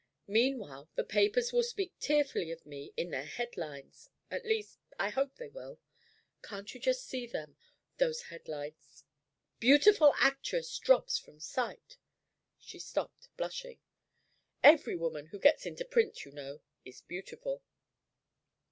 Meanwhile, the papers will speak tearfully of me in their head lines at least, I hope they will. Can't you just see them those head lines? 'Beautiful Actress Drops from Sight'." She stopped, blushing. "Every woman who gets into print, you know, is beautiful."